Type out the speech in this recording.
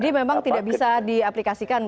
yang tidak bisa diaplikasikan